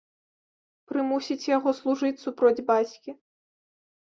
Прымусіць яго служыць супроць бацькі.